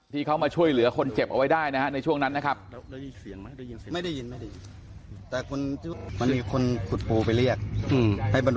ที่เขามาช่วยเหลือคนเจ็บเอาไว้ได้นะฮะในช่วงนั้นนะครับ